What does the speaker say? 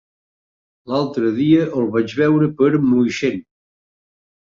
L'altre dia el vaig veure per Moixent.